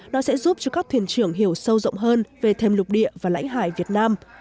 nó sẽ giúp cho các thuyền trưởng hiểu sâu rộng hơn về thềm lục địa và lãnh hải việt nam